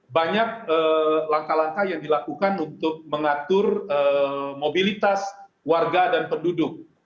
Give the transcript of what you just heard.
banyak langkah langkah yang dilakukan untuk mengatur mobilitas warga dan penduduk